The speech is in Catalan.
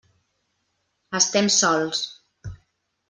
Estem sols.